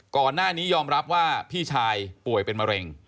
ก่อนหน้านี้ยอมรับว่าพี่ชายป่วยเป็นมะเร็ง